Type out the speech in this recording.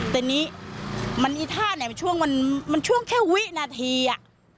แต่นี่มันอีท่าไหนช่วงมันช่วงแค่วินาทีอ่ะ